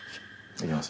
いけます。